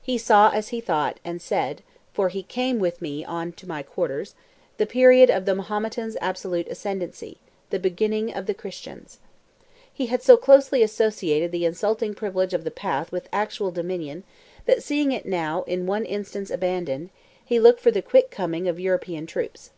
He saw, as he thought, and said (for he came with me on to my quarters), the period of the Mahometan's absolute ascendency, the beginning of the Christian's. He had so closely associated the insulting privilege of the path with actual dominion, that seeing it now in one instance abandoned, he looked for the quick coming of European troops.